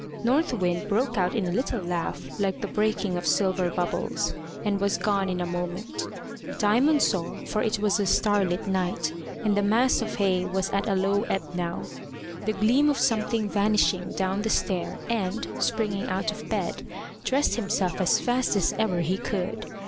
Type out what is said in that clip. North Wind broke out in a little laugh like the breaking of silver bubbles, and was gone in a moment. Diamond saw for it was a starlit night, and the mass of hay was at a low ebb now the gleam of something vanishing down the stair, and, springing out of bed, dressed himself as fast as ever he could.